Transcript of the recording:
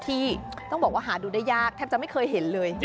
ที่ต้องบอกว่าหาดูได้ยากแทบจะไม่เคยเห็นเลย